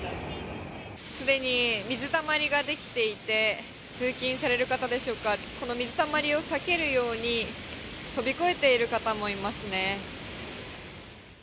すでに水たまりが出来ていて、通勤される方でしょうか、この水たまりを避けるように、飛び越えている方もいますね。